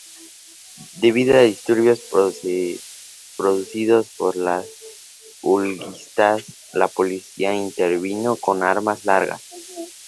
Debido a disturbios producidos por los huelguistas, la policía intervino con armas largas.